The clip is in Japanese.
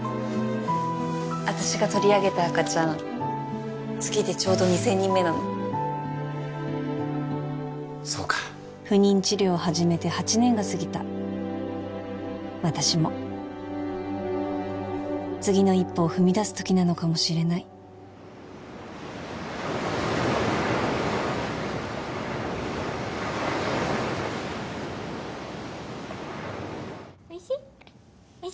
私が取り上げた赤ちゃん次でちょうど２０００人目なのそうか不妊治療を始めて８年が過ぎた私も次の一歩を踏み出す時なのかもしれないおいしい？